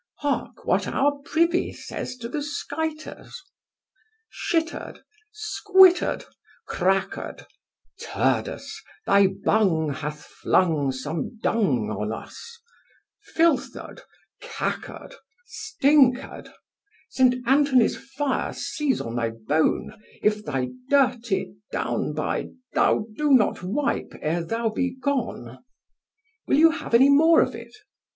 Hark, what our privy says to the skiters: Shittard, Squirtard, Crackard, Turdous, Thy bung Hath flung Some dung On us: Filthard, Cackard, Stinkard, St. Antony's fire seize on thy toane (bone?), If thy Dirty Dounby Thou do not wipe, ere thou be gone. Will you have any more of it?